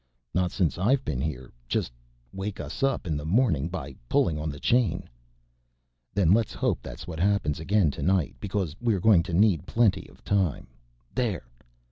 "Not since I've been here, just wake us up in the morning by pulling on the chain." "Then let's hope that's what happens again tonight, because we are going to need plenty of time _there!